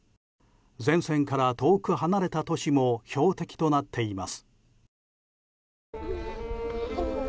前線から遠く離れた都市も標的となっています。